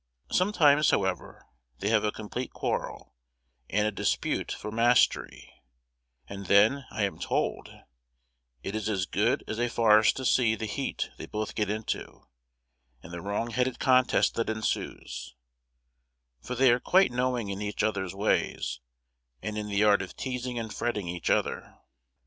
Sometimes, however, they have a complete quarrel, and a dispute for mastery, and then, I am told, it is as good as a farce to see the heat they both get into, and the wrongheaded contest that ensues; for they are quite knowing in each other's ways and in the art of teasing and fretting each other.